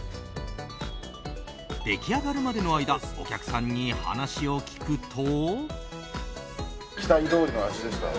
出来上がるまでの間お客さんに話を聞くと。